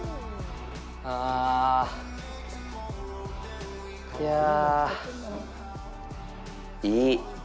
ああ、いやぁ、いい！